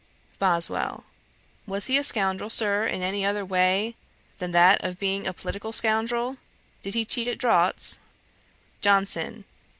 BOSWELL. 'Was he a scoundrel, Sir, in any other way than that of being a political scoundrel? Did he cheat at draughts?' JOHNSON.